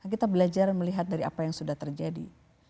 kita belajar melihat dari apa yang sudah terjadi